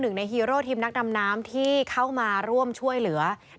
ในฮีโร่ทีมนักดำน้ำที่เข้ามาร่วมช่วยเหลือ